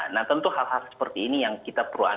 nah tentu hal hal seperti ini yang kita perlukan